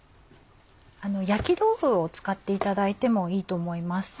焼き豆腐を使っていただいてもいいと思います。